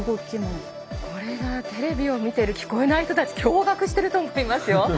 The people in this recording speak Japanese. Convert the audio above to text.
これはテレビを見ている聞こえない人たち驚がくしていると思いますよ。